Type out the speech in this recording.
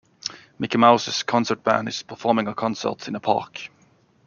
Mickey Mouse's concert band is performing a concert in a park.